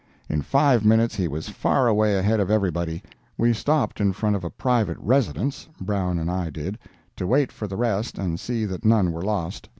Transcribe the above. In five minutes he was far away ahead of everybody. We stopped in front of a private residence—Brown and I did—to wait for the rest and see that none were lost.